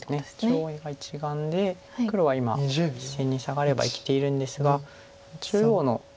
中央が１眼で黒は今１線にサガれば生きているんですが中央の黒